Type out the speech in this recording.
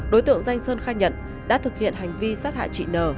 đối tượng danh sơn khai nhận đã thực hiện hành vi sát hại chị n